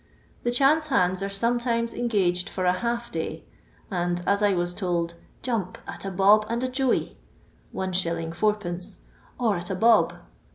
The chance hands are sometimes engaged for a half day, and, as I was told, "jump at a bob and a joey {Is. id.), or at a bob."